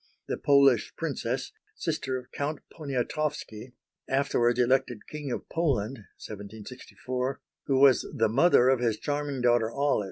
the Polish Princess, sister of Count Poniatowski, afterwards elected King of Poland (1764), who was the mother of his charming daughter, Olive.